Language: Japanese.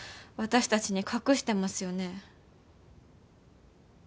私たちに隠してますよね？